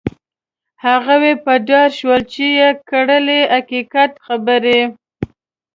هغوی په دار شول چې یې کړلې حقیقت خبرې.